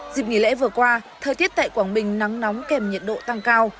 dịp nghỉ lễ vừa qua thời tiết tại quảng bình nắng nóng kèm nhiệt độ tăng cao